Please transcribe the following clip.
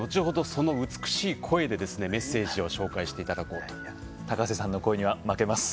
その美しい声でメッセージを紹介していただこうと思います。